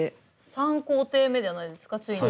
３工程目じゃないですかついに。